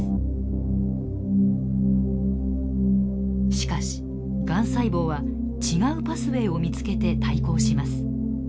しかしがん細胞は違うパスウェーを見つけて対抗します。